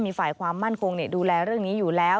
มีฝ่ายความมั่นคงดูแลเรื่องนี้อยู่แล้ว